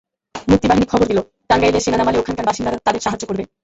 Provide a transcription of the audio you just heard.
মুক্তিবাহিনী খবর দিল, টাঙ্গাইলে সেনা নামালে ওখানকার বাসিন্দারা তাদের সাহায্য করবে।